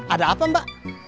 ada apa mbak